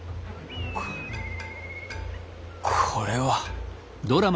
これこれは。